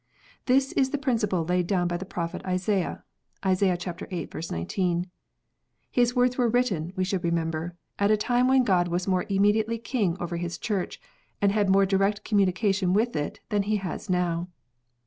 This is the principle laid down by the prophet Isaiah. (Isa. viii. 19.) His words were written, we should remember, at a time when God was more immediately King over His Church, and had more direct communication with it than He has now.